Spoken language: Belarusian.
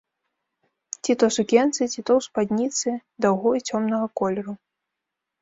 Ці то сукенцы, ці то ў спадніцы даўгой цёмнага колеру.